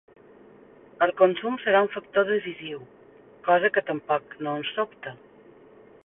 El consum serà un factor decisiu, cosa que tampoc no ens sobta.